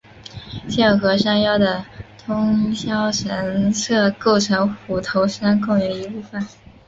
现和山腰的通霄神社构成虎头山公园一部分。